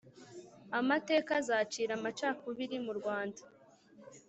amateka azira amacakubiri murwanda